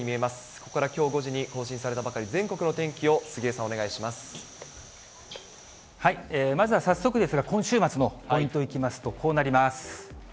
ここから、きょう５時に更新されたばかり、全国の天気を杉江さん、お願いしまずは早速ですが、今週末のポイントいきますと、こうなります。